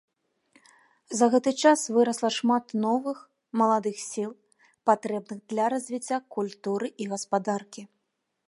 За гэты час вырасла шмат новых, маладых сіл, патрэбных для развіцця культуры і гаспадаркі.